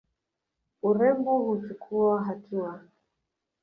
Urembo huchukuwa hatua.